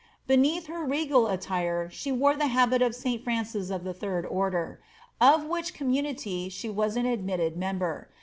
Beneath her regal attire she wore the habit of St. Francis of the third order, of which community she was an admitted member.